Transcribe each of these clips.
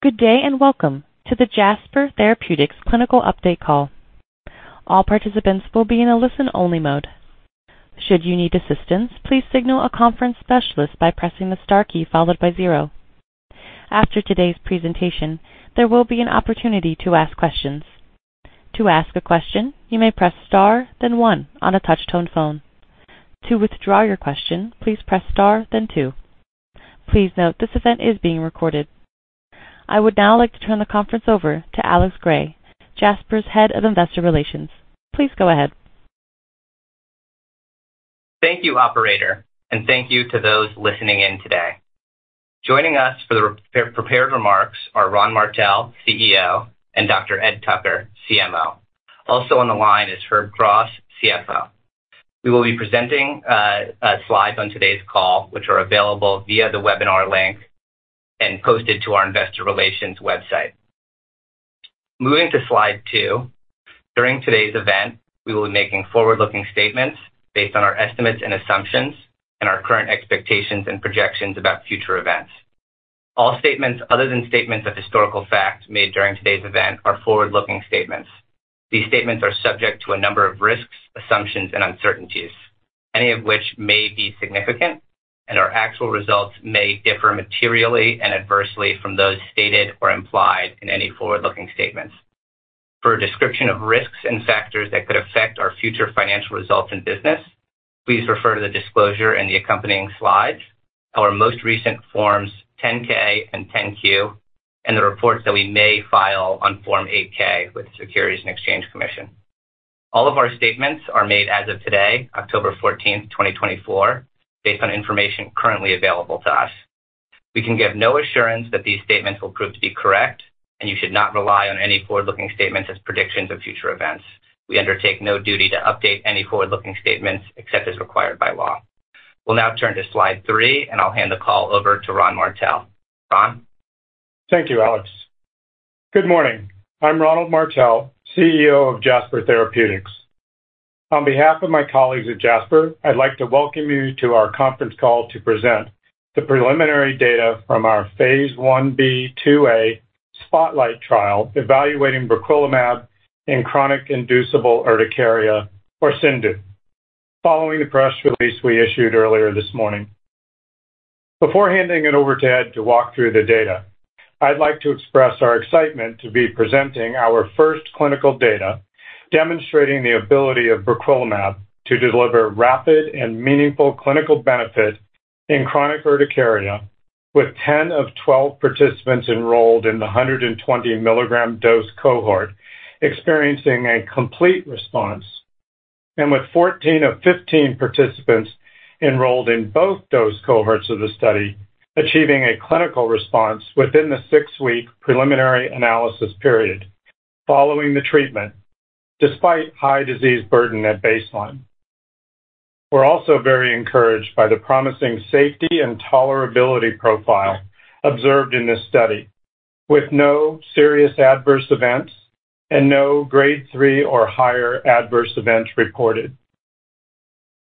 Good day, and welcome to the Jasper Therapeutics Clinical Update call. All participants will be in a listen-only mode. Should you need assistance, please signal a conference specialist by pressing the star key followed by zero. After today's presentation, there will be an opportunity to ask questions. To ask a question, you may press star, then one on a touch-tone phone. To withdraw your question, please press star, then two. Please note, this event is being recorded. I would now like to turn the conference over to Alex Gray, Jasper's Head of Investor Relations. Please go ahead. Thank you, operator, and thank you to those listening in today. Joining us for the prepared remarks are Ron Martell, CEO, and Dr. Ed Tucker, CMO. Also on the line is Herb Cross, CFO. We will be presenting slides on today's call, which are available via the webinar link and posted to our investor relations website. Moving to slide 2, during today's event, we will be making forward-looking statements based on our estimates and assumptions and our current expectations and projections about future events. All statements other than statements of historical fact made during today's event are forward-looking statements. These statements are subject to a number of risks, assumptions, and uncertainties, any of which may be significant, and our actual results may differ materially and adversely from those stated or implied in any forward-looking statements. For a description of risks and factors that could affect our future financial results and business, please refer to the disclosure in the accompanying slides, our most recent Forms 10-K and 10-Q, and the reports that we may file on Form 8-K with the Securities and Exchange Commission. All of our statements are made as of today, October 14, 2024, based on information currently available to us. We can give no assurance that these statements will prove to be correct, and you should not rely on any forward-looking statements as predictions of future events. We undertake no duty to update any forward-looking statements, except as required by law. We'll now turn to Slide 3, and I'll hand the call over to Ron Martell. Ron? Thank you, Alex. Good morning. I'm Ronald Martell, CEO of Jasper Therapeutics. On behalf of my colleagues at Jasper, I'd like to welcome you to our conference call to present the preliminary data from our phase 1b/2a SPOTLIGHT trial, evaluating briquilimab in chronic inducible urticaria, or CIndU, following the press release we issued earlier this morning. Before handing it over to Ed to walk through the data, I'd like to express our excitement to be presenting our first clinical data, demonstrating the ability of briquilimab to deliver rapid and meaningful clinical benefit in chronic urticaria, with 10 of 12 participants enrolled in the 120 milligram dose cohort experiencing a complete response, and with 14 of 15 participants enrolled in both dose cohorts of the study, achieving a clinical response within the six-week preliminary analysis period following the treatment, despite high disease burden at baseline. We're also very encouraged by the promising safety and tolerability profile observed in this study, with no serious adverse events and no Grade 3 or higher adverse events reported.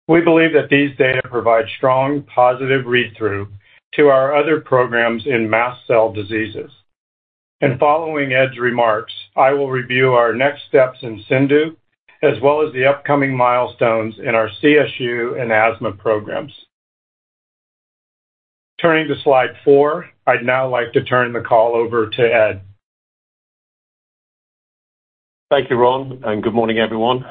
We believe that these data provide strong, positive read-through to our other programs in mast cell diseases. And following Ed's remarks, I will review our next steps in CIndU, as well as the upcoming milestones in our CSU and asthma programs. Turning to Slide 4, I'd now like to turn the call over to Ed. Thank you, Ron, and good morning, everyone.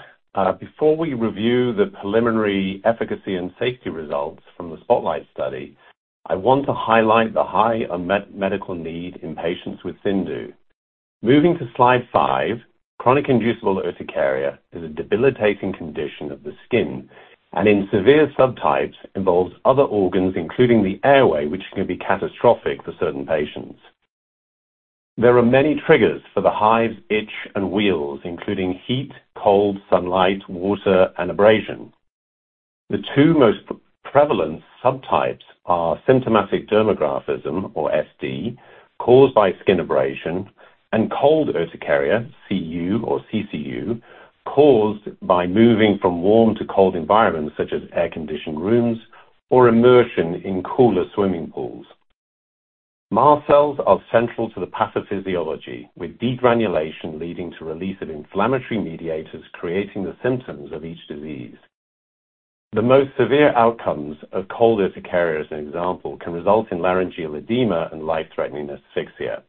Before we review the preliminary efficacy and safety results from the SPOTLIGHT study, I want to highlight the high unmet medical need in patients with CIndU. Moving to Slide 5, chronic inducible urticaria is a debilitating condition of the skin, and in severe subtypes, involves other organs, including the airway, which can be catastrophic for certain patients. There are many triggers for the hives, itch, and wheals, including heat, cold, sunlight, water, and abrasion. The two most prevalent subtypes are symptomatic dermographism, or SD, caused by skin abrasion, and cold urticaria, CU or CCU, caused by moving from warm to cold environments, such as air-conditioned rooms or immersion in cooler swimming pools. Mast cells are central to the pathophysiology, with degranulation leading to release of inflammatory mediators, creating the symptoms of each disease. The most severe outcomes of cold urticaria, as an example, can result in laryngeal edema and life-threatening asphyxia.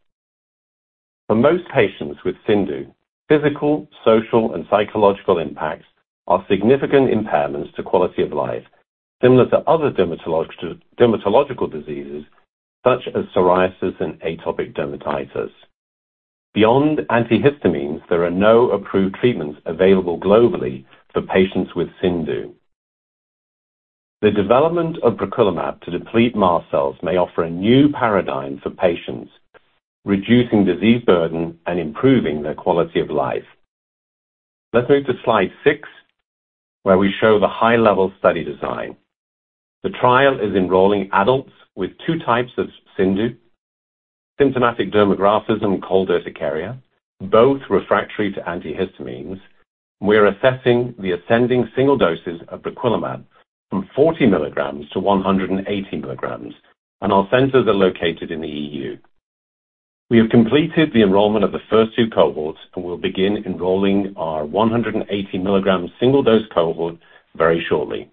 For most patients with CIndU, physical, social, and psychological impacts are significant impairments to quality of life, similar to other dermatologic diseases such as psoriasis and atopic dermatitis. Beyond antihistamines, there are no approved treatments available globally for patients with CIndU. The development of briquilimab to deplete mast cells may offer a new paradigm for patients, reducing disease burden and improving their quality of life. Let's move to Slide 6, where we show the high-level study design. The trial is enrolling adults with two types of CIndU, symptomatic dermographism and cold urticaria, both refractory to antihistamines. We are assessing the ascending single doses of briquilimab from 40 milligrams to 180 milligrams, and our centers are located in the EU. We have completed the enrollment of the first two cohorts and will begin enrolling our 180-milligram single dose cohort very shortly.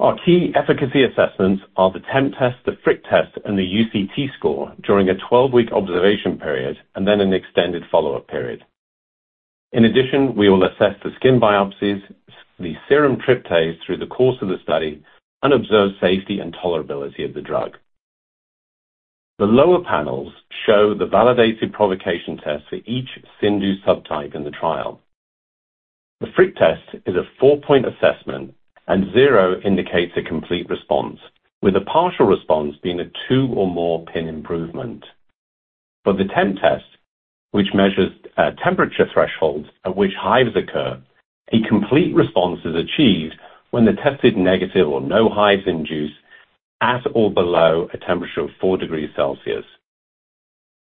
Our key efficacy assessments are the TempTest, the prick test, and the UCT score during a 12-week observation period, and then an extended follow-up period. In addition, we will assess the skin biopsies, the serum tryptase through the course of the study, and observe safety and tolerability of the drug. The lower panels show the validated provocation test for each CIndU subtype in the trial. The prick test is a 4-point assessment, and zero indicates a complete response, with a partial response being a 2 point or more improvement. For the TempTest, which measures temperature thresholds at which hives occur, a complete response is achieved when the test is negative or no hives induced at or below a temperature of 4 degrees Celsius.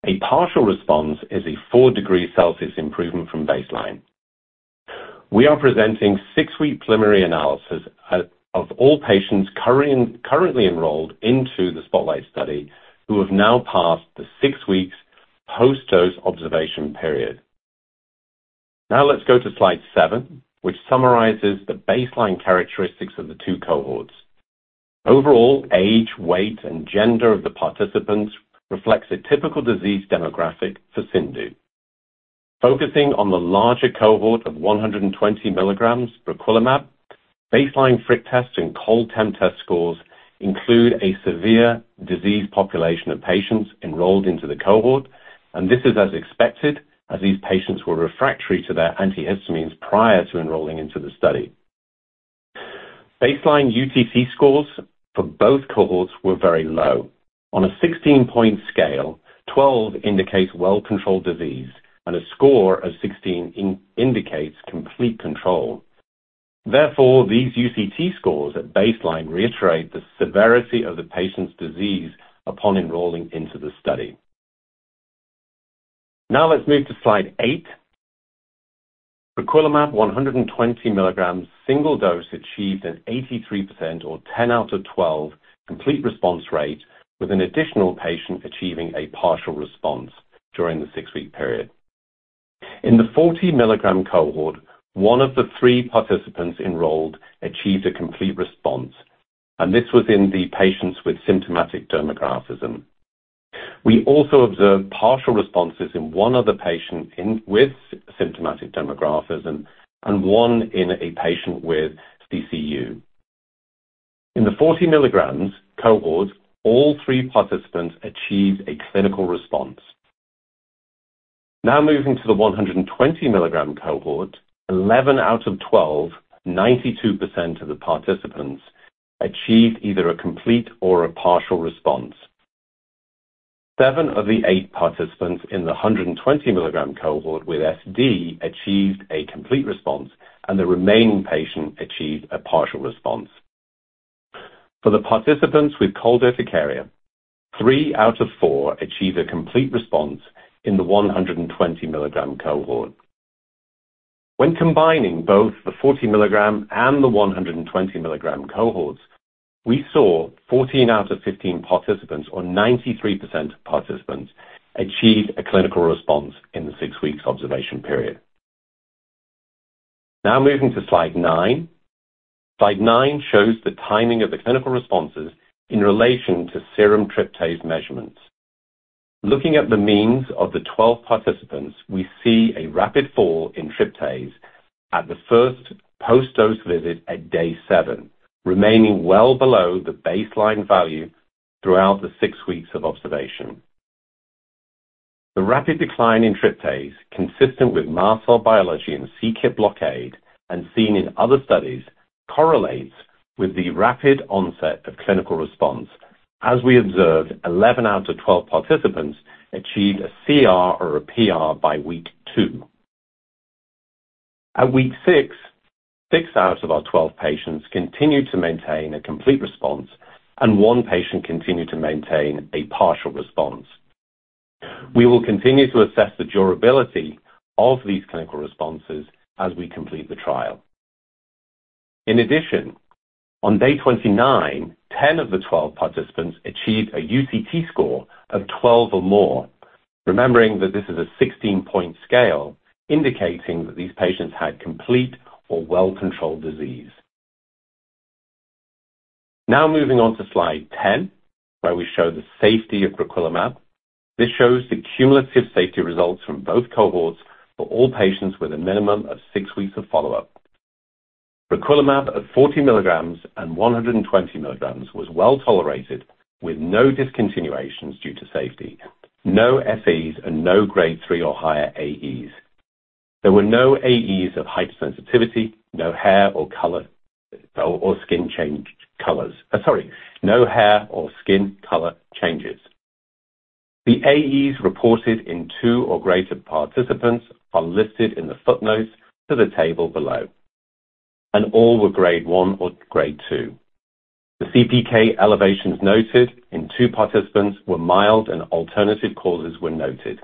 A partial response is a 4 degree Celsius improvement from baseline. We are presenting six-week preliminary analysis of all patients currently enrolled into the SPOTLIGHT study, who have now passed the six weeks post-dose observation period. Now let's go to slide 7, which summarizes the baseline characteristics of the two cohorts. Overall, age, weight, and gender of the participants reflects a typical disease demographic for CIndU. Focusing on the larger cohort of 120 milligrams briquilimab, baseline prick tests and cold TempTest scores include a severe disease population of patients enrolled into the cohort, and this is as expected, as these patients were refractory to their antihistamines prior to enrolling into the study. Baseline UCT scores for both cohorts were very low. On a 16-point scale, 12 indicates well-controlled disease, and a score of 16 indicates complete control. Therefore, these UCT scores at baseline reiterate the severity of the patient's disease upon enrolling into the study. Now let's move to slide 8. Briquilimab 120 milligrams single dose achieved an 83%, or 10 out of 12, complete response rate, with an additional patient achieving a partial response during the six-week period. In the 40-milligram cohort, one of the three participants enrolled achieved a complete response, and this was in the patients with symptomatic dermographism. We also observed partial responses in one other patient with symptomatic dermographism and one in a patient with CCU. In the 40 milligrams cohort, all three participants achieved a clinical response. Now moving to the 120 milligram cohort, 11 out of 12, 92% of the participants, achieved either a complete or a partial response. Seven of the eight participants in the 120 milligram cohort with SD achieved a complete response, and the remaining patient achieved a partial response. For the participants with cold urticaria, three out of four achieved a complete response in the 120 milligram cohort. When combining both the 40 milligram and the 120 milligram cohorts, we saw 14 out of 15 participants, or 93% of participants, achieve a clinical response in the six weeks observation period. Now moving to slide 9. Slide 9 shows the timing of the clinical responses in relation to serum tryptase measurements. Looking at the means of the 12 participants, we see a rapid fall in tryptase at the first post-dose visit at day seven, remaining well below the baseline value throughout the six weeks of observation. The rapid decline in tryptase, consistent with mast cell biology and c-Kit blockade and seen in other studies, correlates with the rapid onset of clinical response, as we observed 11 out of 12 participants achieved a CR or a PR by week two. At week six, six out of our 12 patients continued to maintain a complete response, and one patient continued to maintain a partial response. We will continue to assess the durability of these clinical responses as we complete the trial. In addition, on day 29, 10 of the 12 participants achieved a UCT score of 12 or more. Remembering that this is a 16-point scale, indicating that these patients had complete or well-controlled disease. Now moving on to slide 10, where we show the safety of briquilimab. This shows the cumulative safety results from both cohorts for all patients with a minimum of six weeks of follow-up. Briquilimab at 40 milligrams and 120 milligrams was well tolerated, with no discontinuations due to safety, no SAEs, and no Grade 3 or higher AEs. There were no AEs of hypersensitivity, no hair or skin color changes. The AEs reported in two or greater participants are listed in the footnotes to the table below, and all were Grade 1 or Grade 2. The CPK elevations noted in two participants were mild, and alternative causes were noted.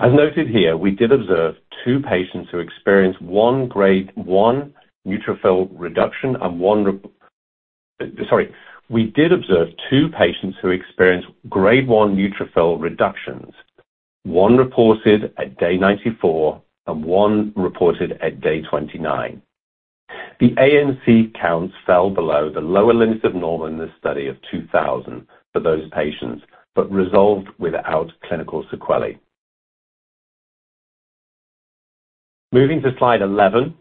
As noted here, we did observe two patients who experienced Grade 1 neutrophil reductions, one reported at day 94 and one reported at day 29. The ANC counts fell below the lower limit of normal in this study of 2,000 for those patients, but resolved without clinical sequelae. Moving to slide 11,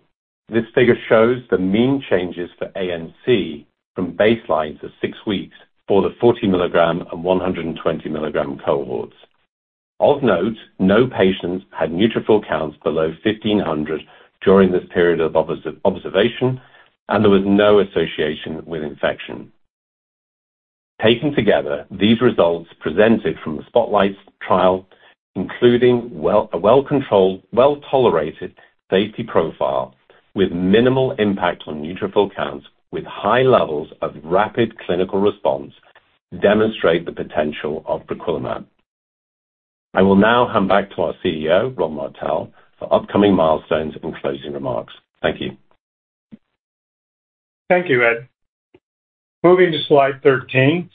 this figure shows the mean changes for ANC from baseline to six weeks for the 40 milligram and 120 milligram cohorts. Of note, no patients had neutrophil counts below 1,500 during this period of observation, and there was no association with infection. Taken together, these results presented from the SPOTLIGHT trial, including well, a well-controlled, well-tolerated safety profile with minimal impact on neutrophil counts, with high levels of rapid clinical response, demonstrate the potential of briquilimab. I will now hand back to our CEO, Ron Martell, for upcoming milestones and closing remarks. Thank you. Thank you, Ed. Moving to slide 13.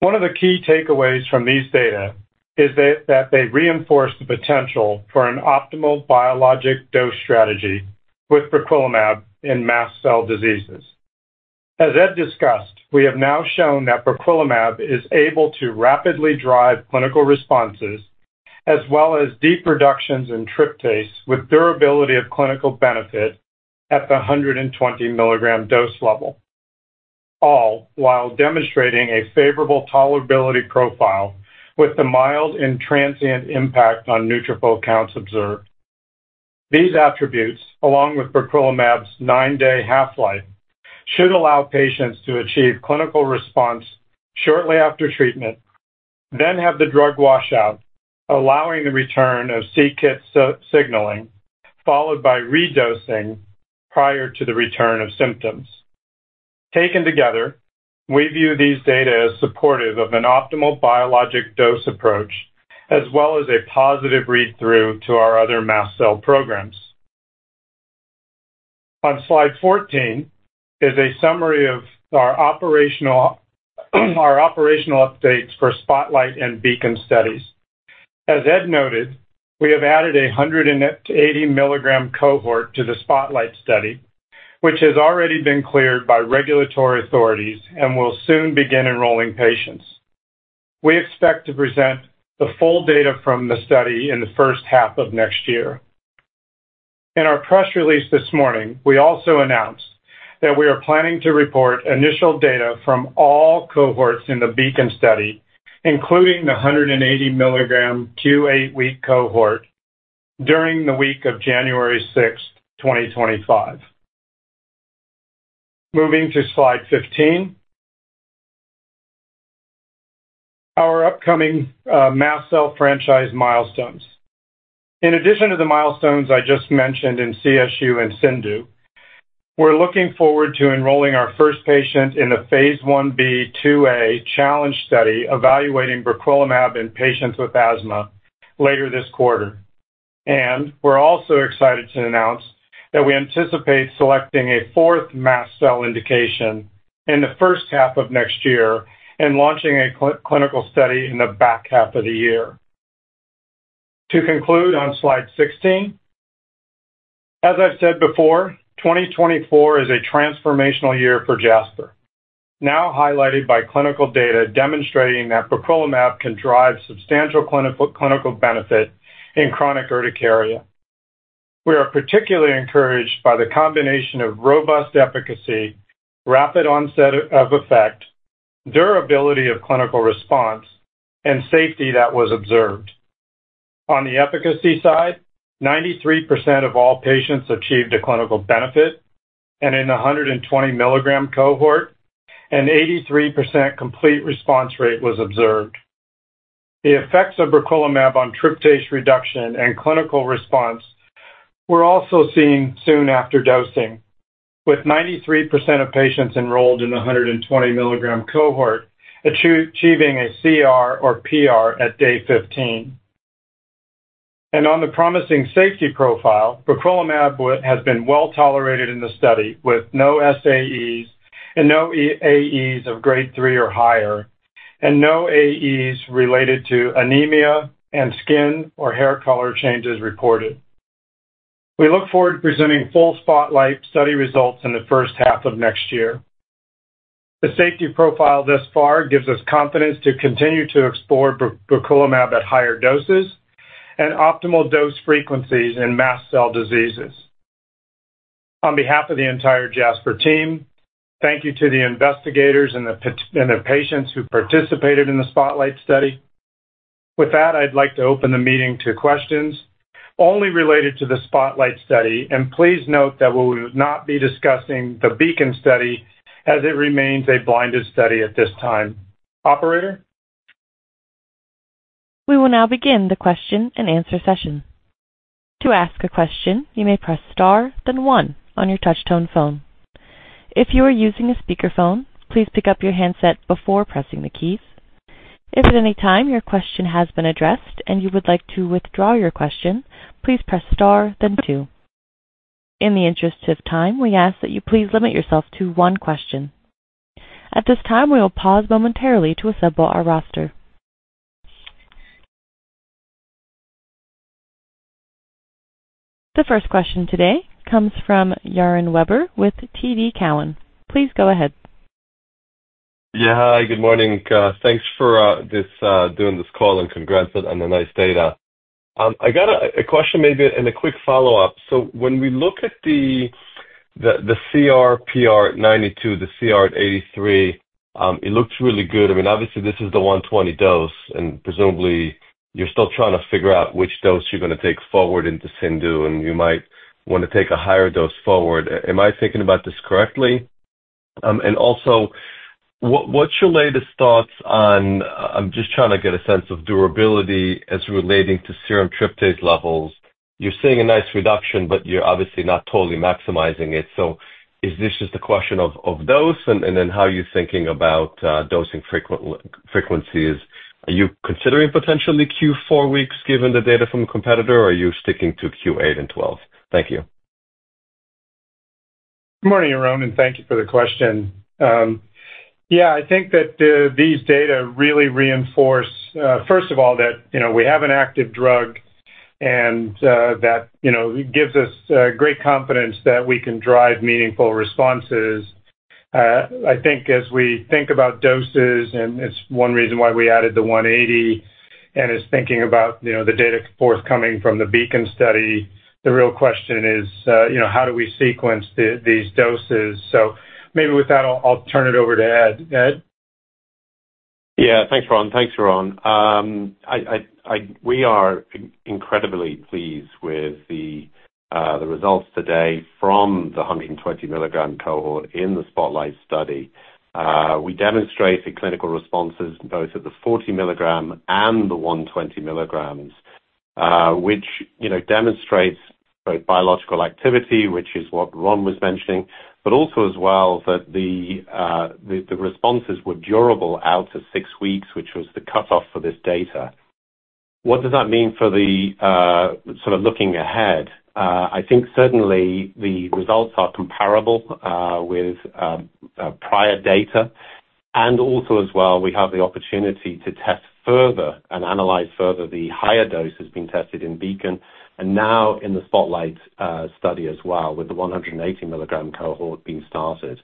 One of the key takeaways from these data is that they reinforce the potential for an optimal biologic dose strategy with briquilimab in mast cell diseases. As Ed discussed, we have now shown that briquilimab is able to rapidly drive clinical responses, as well as deep reductions in tryptase, with durability of clinical benefit at the 120-milligram dose level. All while demonstrating a favorable tolerability profile with the mild and transient impact on neutrophil counts observed. These attributes, along with briquilimab's nine-day half-life, should allow patients to achieve clinical response shortly after treatment, then have the drug wash out, allowing the return of c-Kit signaling, followed by redosing prior to the return of symptoms. Taken together, we view these data as supportive of an optimal biologic dose approach, as well as a positive read-through to our other mast cell programs. On slide 14 is a summary of our operational updates for SPOTLIGHT and BEACON studies. As Ed noted, we have added a 180 milligram cohort to the SPOTLIGHT study, which has already been cleared by regulatory authorities and will soon begin enrolling patients. We expect to present the full data from the study in the first half of next year. In our press release this morning, we also announced that we are planning to report initial data from all cohorts in the BEACON study, including the 180 milligram Q8 week cohort, during the week of January 6th, 2025. Moving to slide 15. Our upcoming mast cell franchise milestones. In addition to the milestones I just mentioned in CSU and CIndU, we're looking forward to enrolling our first patient in the phase 1b/2a challenge study, evaluating briquilimab in patients with asthma later this quarter. We're also excited to announce that we anticipate selecting a fourth mast cell indication in the first half of next year and launching a clinical study in the back half of the year. To conclude, on slide 16, as I've said before, 2024 is a transformational year for Jasper. Now highlighted by clinical data demonstrating that briquilimab can drive substantial clinical benefit in chronic urticaria. We are particularly encouraged by the combination of robust efficacy, rapid onset of effect, durability of clinical response, and safety that was observed. On the efficacy side, 93% of all patients achieved a clinical benefit, and in the 120 mg cohort, an 83% complete response rate was observed. The effects of briquilimab on tryptase reduction and clinical response were also seen soon after dosing, with 93% of patients enrolled in the 120 mg cohort achieving a CR or PR at day 15. On the promising safety profile, briquilimab has been well tolerated in the study, with no SAEs and no AEs of Grade 3 or higher, and no AEs related to anemia and skin or hair color changes reported. We look forward to presenting full SPOTLIGHT study results in the first half of next year. The safety profile thus far gives us confidence to continue to explore briquilimab at higher doses and optimal dose frequencies in mast cell diseases. On behalf of the entire Jasper team, thank you to the investigators and the patients who participated in the SPOTLIGHT study. With that, I'd like to open the meeting to questions only related to the SPOTLIGHT study, and please note that we will not be discussing the BEACON study as it remains a blinded study at this time. Operator? We will now begin the question-and-answer session. To ask a question, you may press star, then one on your touchtone phone. If you are using a speakerphone, please pick up your handset before pressing the keys. If at any time your question has been addressed and you would like to withdraw your question, please press star then two. In the interest of time, we ask that you please limit yourself to one question. At this time, we will pause momentarily to assemble our roster. The first question today comes from Yaron Werber with TD Cowen. Please go ahead. Yeah. Hi, good morning, thanks for doing this call, and congrats on the nice data. I got a question maybe and a quick follow-up. So when we look at the CR/PR at 92%, the CR at 83%, it looks really good. I mean, obviously, this is the 120 dose, and presumably you're still trying to figure out which dose you're going to take forward into CIndU, and you might want to take a higher dose forward. Am I thinking about this correctly? And also, what's your latest thoughts on, I'm just trying to get a sense of durability as relating to serum tryptase levels. You're seeing a nice reduction, but you're obviously not totally maximizing it. So is this just a question of dose? And then how are you thinking about dosing frequencies? Are you considering potentially Q4 weeks given the data from a competitor, or are you sticking to Q8 and 12? Thank you. Good morning, Yaron, and thank you for the question. Yeah, I think that these data really reinforce first of all that you know we have an active drug and that you know gives us great confidence that we can drive meaningful responses. I think as we think about doses, and it's one reason why we added the 180 and it's thinking about you know the data forthcoming from the BEACON study, the real question is you know how do we sequence these doses? So maybe with that, I'll turn it over to Ed. Ed? Yeah. Thanks, Ron. Thanks, Yaron. We are incredibly pleased with the results today from the 120-milligram cohort in the SPOTLIGHT study. We demonstrate the clinical responses both at the 40-milligram and the 120 milligrams, which, you know, demonstrates both biological activity, which is what Ron was mentioning, but also as well, that the responses were durable out to six weeks, which was the cutoff for this data. What does that mean for the sort of looking ahead? I think certainly the results are comparable with prior data, and also as well, we have the opportunity to test further and analyze further the higher doses being tested in BEACON and now in the SPOTLIGHT study as well, with the 180-milligram cohort being started.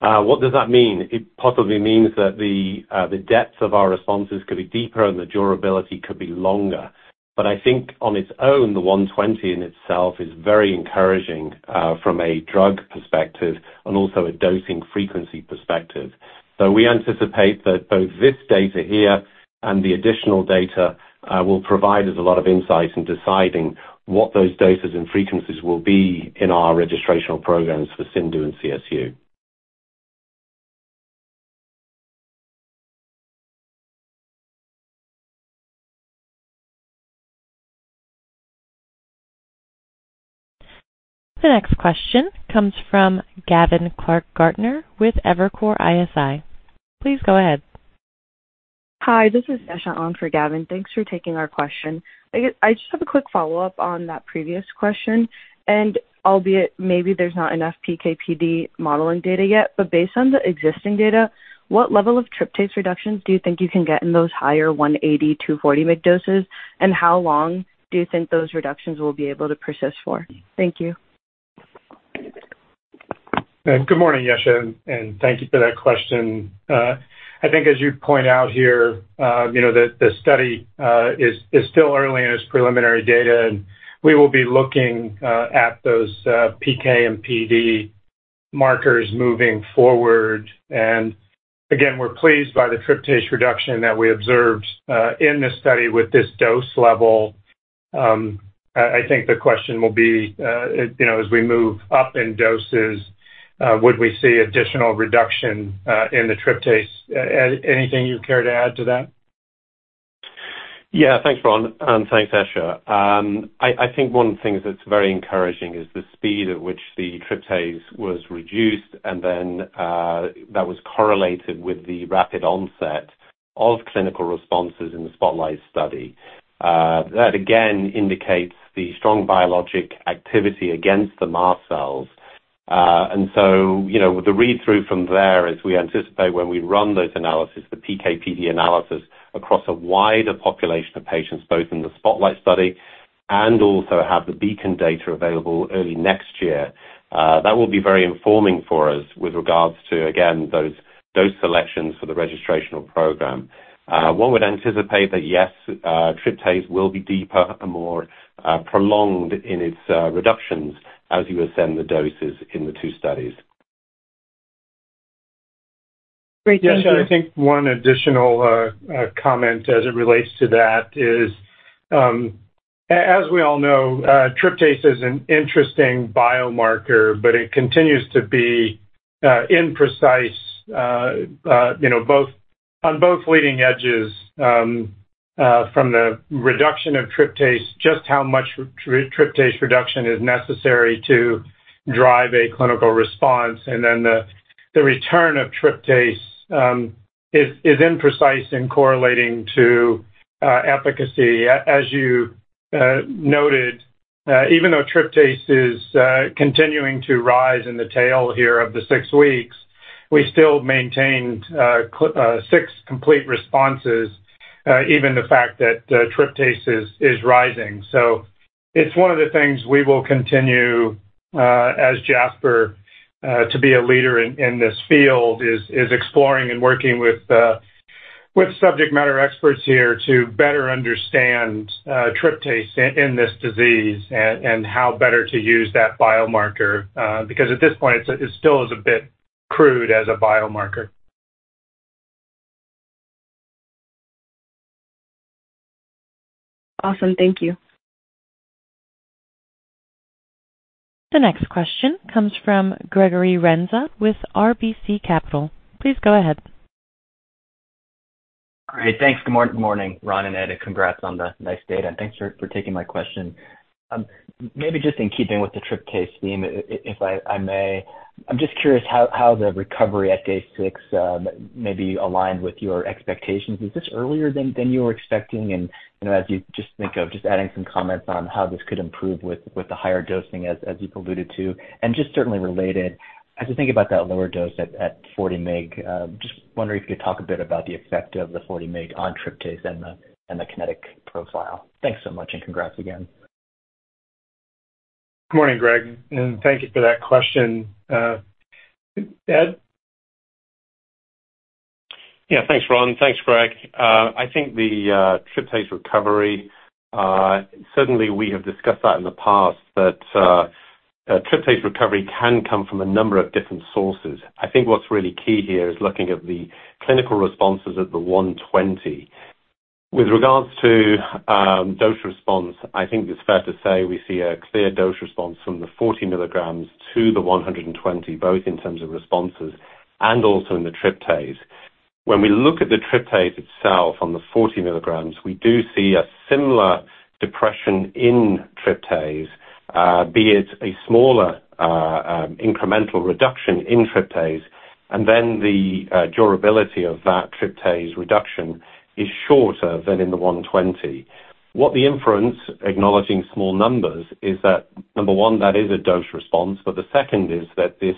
What does that mean? It possibly means that the depths of our responses could be deeper and the durability could be longer. But I think on its own, the 120 in itself is very encouraging from a drug perspective and also a dosing frequency perspective. So we anticipate that both this data here and the additional data will provide us a lot of insight in deciding what those doses and frequencies will be in our registrational programs for CIndU and CSU. The next question comes from Gavin Clark-Gartner with Evercore ISI. Please go ahead. Hi, this is Sasha on for Gavin. Thanks for taking our question. I just have a quick follow-up on that previous question, and albeit maybe there's not enough PK/PD modeling data yet, but based on the existing data, what level of tryptase reductions do you think you can get in those higher 180, 240 mg doses? And how long do you think those reductions will be able to persist for? Thank you. Good morning, Sasha, and thank you for that question. I think as you point out here, you know, the study is still early in its preliminary data, and we will be looking at those PK and PD markers moving forward. And again, we're pleased by the tryptase reduction that we observed in this study with this dose level. I think the question will be, you know, as we move up in doses, would we see additional reduction in the tryptase? Ed, anything you'd care to add to that? Yeah. Thanks, Ron, and thanks, Sasha. I think one of the things that's very encouraging is the speed at which the tryptase was reduced and then, that was correlated with the rapid onset of clinical responses in the SPOTLIGHT study. That again indicates the strong biologic activity against the mast cells. And so, you know, the read-through from there is we anticipate when we run those analysis, the PK/PD analysis, across a wider population of patients, both in the SPOTLIGHT study and also have the BEACON data available early next year, that will be very informing for us with regards to, again, those dose selections for the registrational program. One would anticipate that, yes, tryptase will be deeper and more, prolonged in its, reductions as you ascend the doses in the two studies. Great. Thank you. I think one additional comment as it relates to that is, as we all know, tryptase is an interesting biomarker, but it continues to be imprecise, you know, on both leading edges. From the reduction of tryptase, just how much tryptase reduction is necessary to drive a clinical response, and then the return of tryptase is imprecise in correlating to efficacy. As you noted, even though tryptase is continuing to rise in the tail here of the six weeks, we still maintained six complete responses, even the fact that tryptase is rising. So it's one of the things we will continue, as Jasper, to be a leader in this field, is exploring and working with subject matter experts here to better understand tryptase in this disease and how better to use that biomarker, because at this point, it still is a bit crude as a biomarker. Awesome. Thank you. The next question comes from Gregory Renza with RBC Capital. Please go ahead. Great, thanks. Good morning, Ron and Ed, and congrats on the nice data, and thanks for taking my question. Maybe just in keeping with the tryptase theme, if I may, I'm just curious how the recovery at day six maybe aligned with your expectations. Is this earlier than you were expecting? And, you know, as you just think of just adding some comments on how this could improve with the higher dosing, as you alluded to, and just certainly related, as you think about that lower dose at 40 mg, just wondering if you could talk a bit about the effect of the 40 mg on tryptase and the kinetic profile. Thanks so much, and congrats again. Good morning, Greg, and thank you for that question. Ed? Yeah, thanks, Ron. Thanks, Greg. I think the tryptase recovery certainly we have discussed that in the past, but tryptase recovery can come from a number of different sources. I think what's really key here is looking at the clinical responses at the 120. With regards to dose response, I think it's fair to say we see a clear dose response from the 40 milligrams to the 120, both in terms of responses and also in the tryptase. When we look at the tryptase itself on the 40 milligrams, we do see a similar depression in tryptase, be it a smaller incremental reduction in tryptase, and then the durability of that tryptase reduction is shorter than in the 120. What the inference, acknowledging small numbers, is that, number one, that is a dose response, but the second is that this,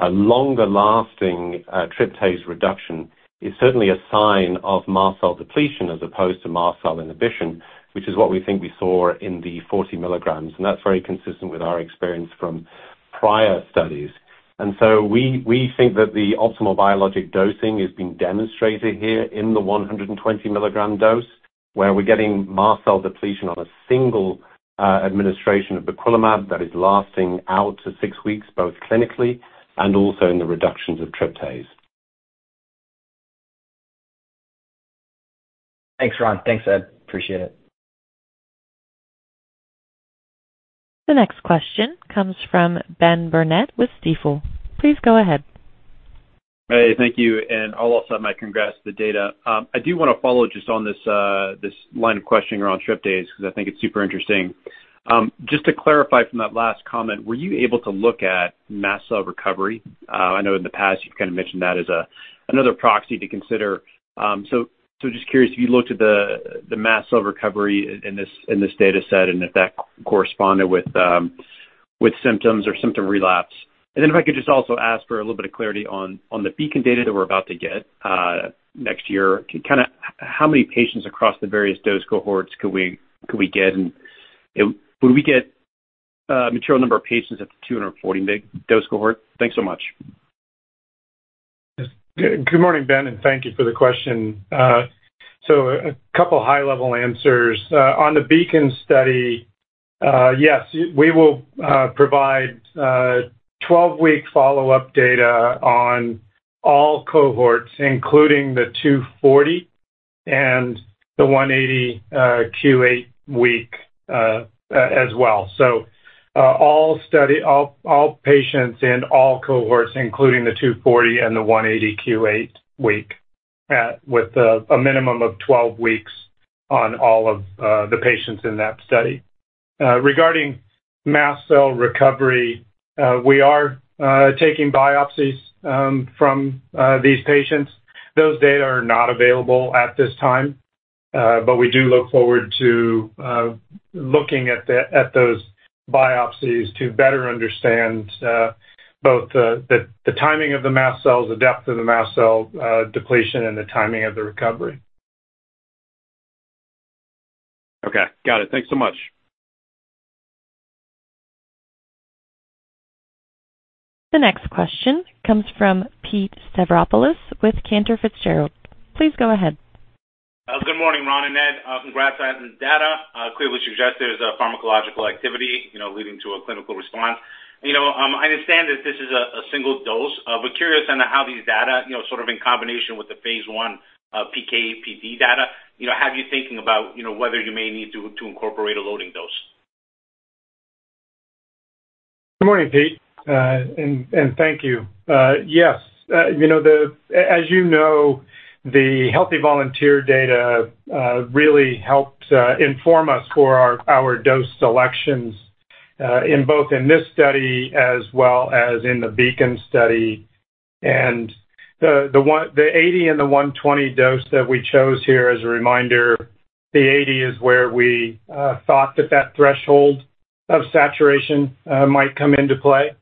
longer-lasting, tryptase reduction is certainly a sign of mast cell depletion as opposed to mast cell inhibition, which is what we think we saw in the 40 milligrams, and that's very consistent with our experience from prior studies, and so we think that the optimal biologic dosing is being demonstrated here in the 120 milligram dose, where we're getting mast cell depletion on a single, administration of briquilimab that is lasting out to six weeks, both clinically and also in the reductions of tryptase. Thanks, Ron. Thanks, Ed. Appreciate it. The next question comes from Ben Burnett with Stifel. Please go ahead. Hey, thank you, and I'll also add my congrats to the data. I do wanna follow just on this, this line of questioning around tryptase, 'cause I think it's super interesting. Just to clarify from that last comment, were you able to look at mast cell recovery? I know in the past you've kind of mentioned that as a, another proxy to consider. So, so just curious if you looked at the, the mast cell recovery in this, in this data set and if that corresponded with, with symptoms or symptom relapse. And then if I could just also ask for a little bit of clarity on, on the BEACON data that we're about to get, next year. Kind of how many patients across the various dose cohorts could we get, and would we get a material number of patients at the two hundred and forty mg dose cohort? Thanks so much. Good morning, Ben, and thank you for the question. So a couple high-level answers. On the BEACON study, yes, we will provide 12-week follow-up data on all cohorts, including the 240 and the 180, Q8 week, as well. So, all patients in all cohorts, including the 240 and the 180 Q8 week, with a minimum of 12 weeks on all of the patients in that study. Regarding mast cell recovery, we are taking biopsies from these patients. Those data are not available at this time, but we do look forward to looking at those biopsies to better understand both the timing of the mast cells, the depth of the mast cell depletion, and the timing of the recovery. Okay. Got it. Thanks so much. The next question comes from Pete Stavropoulos with Cantor Fitzgerald. Please go ahead. Good morning, Ron and Ed. Congrats on the data. Clearly suggests there is a pharmacological activity, you know, leading to a clinical response. You know, I understand that this is a single dose. We're curious on how these data, you know, sort of in combination with the phase I PK/PD data, you know, have you thinking about, you know, whether you may need to incorporate a loading dose? Good morning, Pete, and thank you. Yes, you know, as you know, the healthy volunteer data really helped inform us for our dose selections in both in this study as well as in the BEACON study. And the 80 and the 120 dose that we chose here, as a reminder, the 80 is where we thought that threshold of saturation might come into play.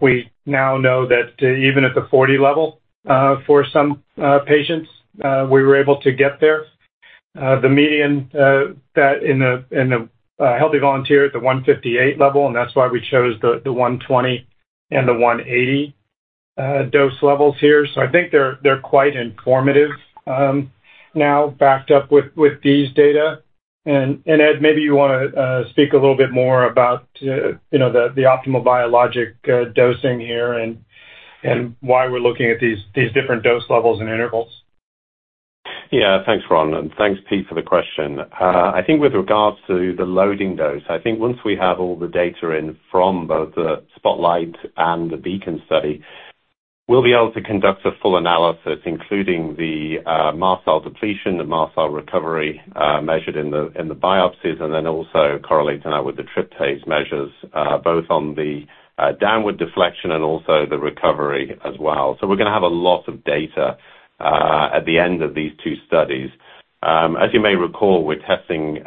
We now know that even at the 40 level, for some patients, we were able to get there. The median that in the healthy volunteer at the 158 level, and that's why we chose the 120 and the 180 dose levels here. I think they're quite informative now backed up with these data. And, Ed, maybe you wanna speak a little bit more about you know the optimal biologic dosing here and why we're looking at these different dose levels and intervals. Yeah. Thanks, Ron, and thanks, Pete, for the question. I think with regards to the loading dose, I think once we have all the data in from both the SPOTLIGHT and the BEACON study, we'll be able to conduct a full analysis, including the mast cell depletion, the mast cell recovery, measured in the biopsies, and then also correlating that with the tryptase measures, both on the downward deflection and also the recovery as well. So we're gonna have a lot of data at the end of these two studies. As you may recall, we're testing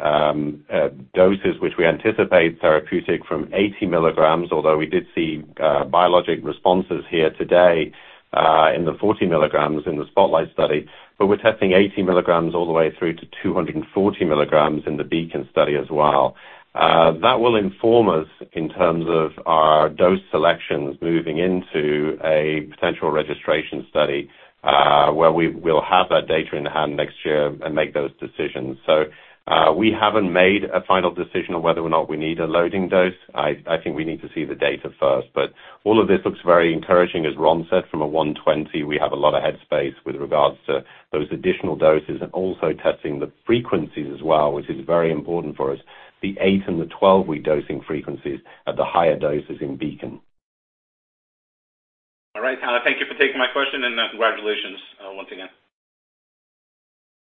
doses which we anticipate therapeutic from 80 mg, although we did see biologic responses here today in the 40 mg in the SPOTLIGHT study, but we're testing 80 mg all the way through to 240 mg in the BEACON study as well. That will inform us in terms of our dose selections moving into a potential registration study, where we'll have that data in hand next year and make those decisions. We haven't made a final decision on whether or not we need a loading dose. I think we need to see the data first, but all of this looks very encouraging, as Ron said, from a 120, we have a lot of headspace with regards to those additional doses and also testing the frequencies as well, which is very important for us, the 8- and 12-week dosing frequencies at the higher doses in BEACON. All right, thank you for taking my question, and, congratulations, once again.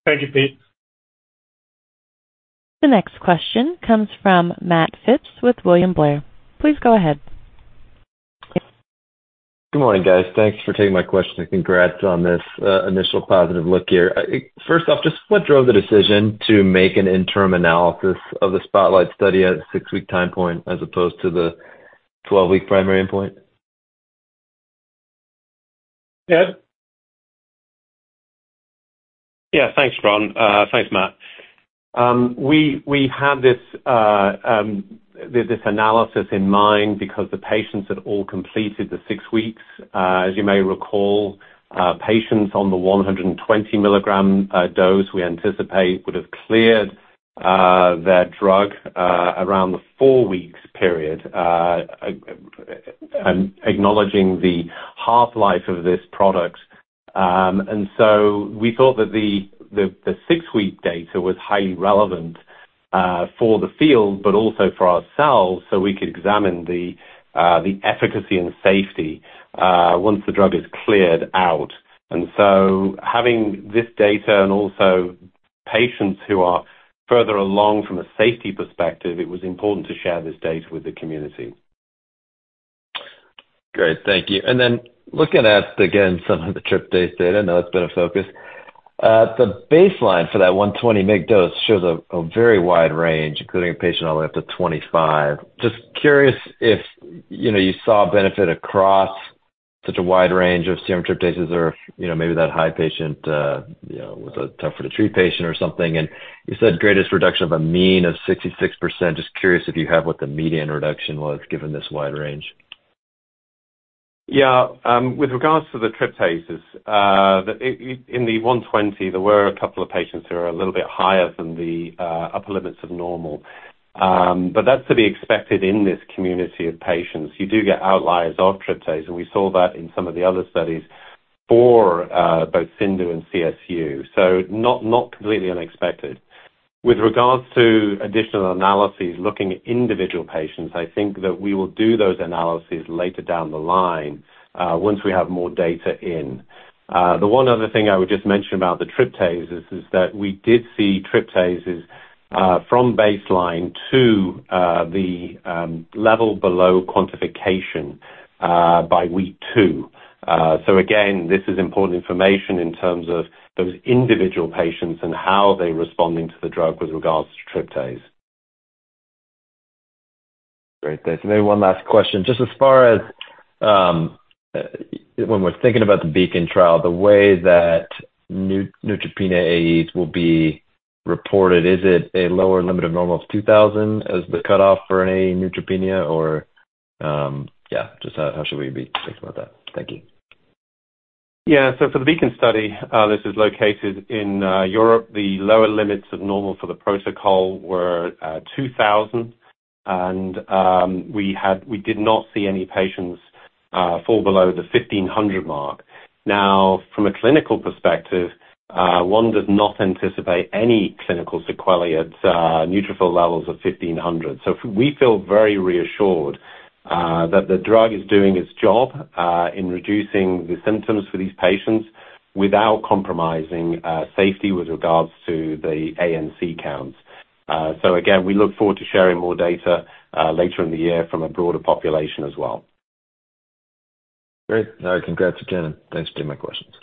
Thank you, Pete. The next question comes from Matt Phipps with William Blair. Please go ahead. Good morning, guys. Thanks for taking my question, and congrats on this initial positive look here. First off, just what drove the decision to make an interim analysis of the SPOTLIGHT study at a six-week time point, as opposed to the 12-week primary endpoint? Ed? Yeah, thanks, Ron. Thanks, Matt. We had this analysis in mind because the patients had all completed the six weeks. As you may recall, patients on the 120 milligram dose, we anticipate, would have cleared their drug around the four weeks period, and acknowledging the half-life of this product. And so we thought that the six-week data was highly relevant for the field, but also for ourselves, so we could examine the efficacy and safety once the drug is cleared out. And so having this data and also patients who are further along from a safety perspective, it was important to share this data with the community. Great. Thank you. And then looking at, again, some of the tryptase data, I know it's been a focus. The baseline for that 120 mg dose shows a very wide range, including a patient all the way up to 25. Just curious if, you know, you saw a benefit across such a wide range of serum tryptases or, you know, maybe that high patient was a tougher to treat patient or something. And you said greatest reduction of a mean of 66%. Just curious if you have what the median reduction was, given this wide range. Yeah. With regards to the tryptase, the in the 120, there were a couple of patients who are a little bit higher than the upper limits of normal. But that's to be expected in this community of patients. You do get outliers of tryptase, and we saw that in some of the other studies for both CIndU and CSU, so not completely unexpected. With regards to additional analyses, looking at individual patients, I think that we will do those analyses later down the line once we have more data in. The one other thing I would just mention about the tryptase is that we did see tryptase from baseline to the level below quantification by week two. Again, this is important information in terms of those individual patients and how they're responding to the drug with regard to tryptase. Great, thanks. Maybe one last question. Just as far as, when we're thinking about the BEACON trial, the way that neutropenia AEs will be reported, is it a lower limit of normal of 2,000 as the cutoff for any neutropenia? Or, yeah, just how should we be thinking about that? Thank you. Yeah. So for the BEACON study, this is located in Europe. The lower limits of normal for the protocol were 2,000, and we did not see any patients fall below the 1,500 mark. Now, from a clinical perspective, one does not anticipate any clinical sequelae at neutrophil levels of 1,500. So we feel very reassured that the drug is doing its job in reducing the symptoms for these patients without compromising safety with regards to the ANC counts. So again, we look forward to sharing more data later in the year from a broader population as well. Great. Congrats again, and thanks for taking my questions.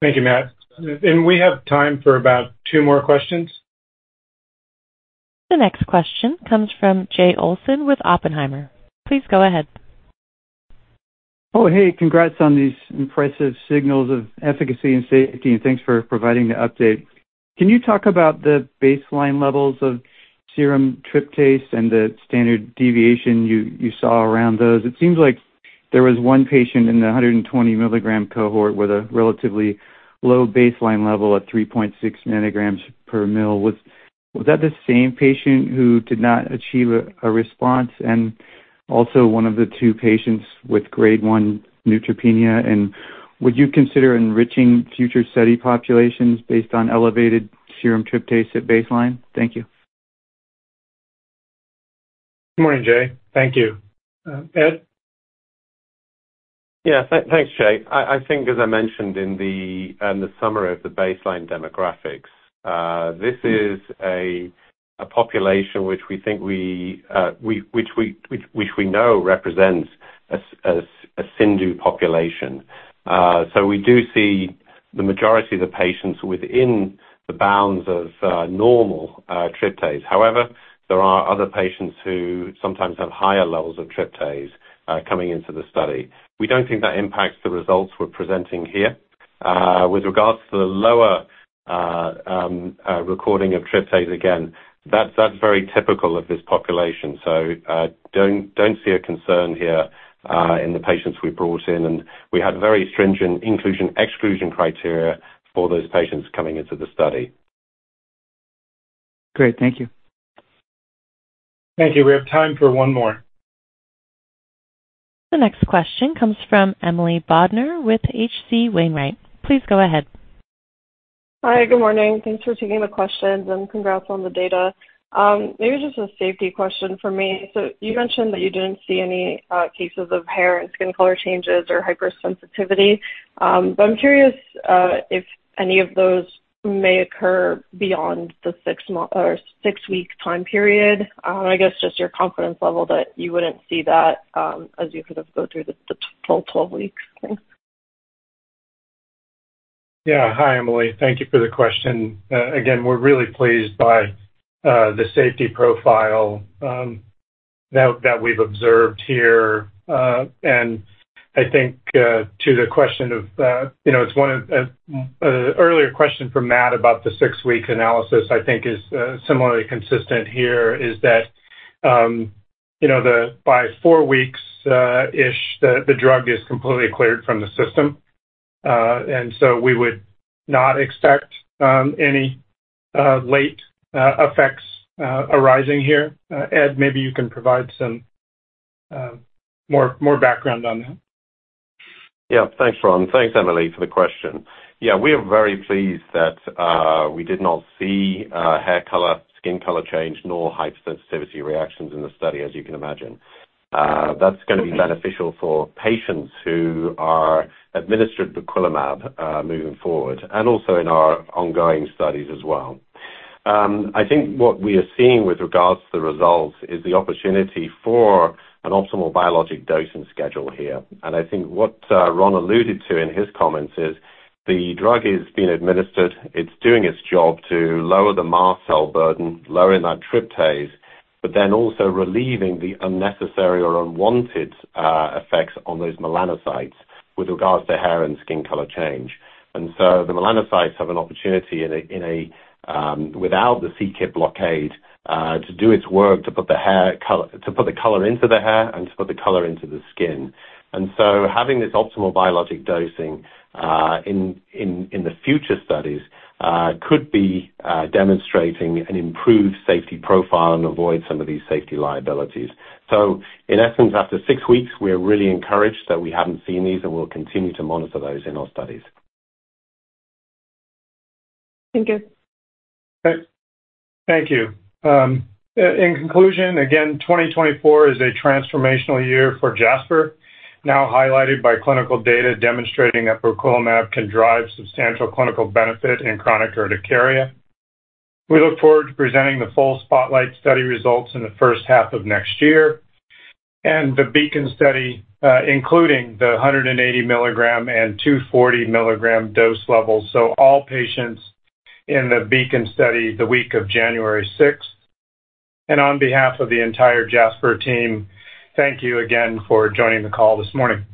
Thank you, Matt. And we have time for about two more questions. The next question comes from Jay Olson with Oppenheimer. Please go ahead. Oh, hey, congrats on these impressive signals of efficacy and safety, and thanks for providing the update. Can you talk about the baseline levels of serum tryptase and the standard deviation you saw around those? It seems like there was one patient in the 120-milligram cohort with a relatively low baseline level of 3.6 nanograms per ml. Was that the same patient who did not achieve a response, and also one of the two patients with Grade 1 neutropenia? And would you consider enriching future study populations based on elevated serum tryptase at baseline? Thank you. Good morning, Jay. Thank you. Ed? Yeah. Thanks, Jay. I think as I mentioned in the summary of the baseline demographics, this is a population which we know represents a CIndU population. So we do see the majority of the patients within the bounds of normal tryptase. However, there are other patients who sometimes have higher levels of tryptase coming into the study. We don't think that impacts the results we're presenting here. With regards to the lower recording of tryptase, again, that's very typical of this population, so don't see a concern here in the patients we brought in. We had very stringent inclusion/exclusion criteria for those patients coming into the study. Great. Thank you. Thank you. We have time for one more. The next question comes from Emily Bodnar with H.C. Wainwright. Please go ahead. Hi, good morning. Thanks for taking the questions, and congrats on the data. Maybe just a safety question from me. So you mentioned that you didn't see any cases of hair and skin color changes or hypersensitivity. But I'm curious if any of those may occur beyond the six-month or six-week time period. I guess just your confidence level that you wouldn't see that as you sort of go through the full 12 weeks. Thanks. Yeah. Hi, Emily. Thank you for the question. Again, we're really pleased by the safety profile that we've observed here. And I think to the question of you know, it's one of--earlier question from Matt about the six-week analysis, I think is similarly consistent here, is that you know, by four weeks-ish, the drug is completely cleared from the system. And so we would not expect any late effects arising here. Ed, maybe you can provide some more background on that. Yeah. Thanks, Ron. Thanks, Emily, for the question. Yeah, we are very pleased that we did not see hair color, skin color change, nor hypersensitivity reactions in the study, as you can imagine. That's gonna be beneficial for patients who are administered briquilimab, moving forward, and also in our ongoing studies as well. I think what we are seeing with regards to the results is the opportunity for an optimal biologic dosing schedule here. I think what Ron alluded to in his comments is the drug is being administered, it's doing its job to lower the mast cell burden, lowering that tryptase, but then also relieving the unnecessary or unwanted effects on those melanocytes with regards to hair and skin color change. The melanocytes have an opportunity in a without the c-Kit blockade to do its work, to put the color into the hair and to put the color into the skin. Having this optimal biologic dosing in the future studies could be demonstrating an improved safety profile and avoid some of these safety liabilities. In essence, after six weeks, we're really encouraged that we haven't seen these, and we'll continue to monitor those in our studies. Thank you. Thank you. In conclusion, again, 2024 is a transformational year for Jasper, now highlighted by clinical data demonstrating that briquilimab can drive substantial clinical benefit in chronic urticaria. We look forward to presenting the full SPOTLIGHT study results in the first half of next year, and the BEACON study, including the 180 milligram and 240 milligram dose levels, so all patients in the BEACON study, the week of January 6th. On behalf of the entire Jasper team, thank you again for joining the call this morning.